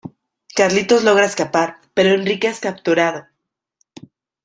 Carlitos logra escapar, pero Enrique es capturado.